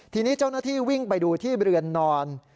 ทีนี้เจ้าหน้าที่วิ่งไปดูที่เรือนนอน